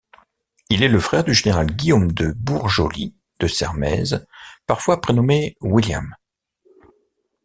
Il est le frère du général Guillaume de Bourjolly de Sermaise, parfois prénommé William.